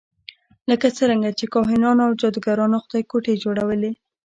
لکه څرنګه چې کاهنانو او جادوګرانو خدایګوټي جوړول.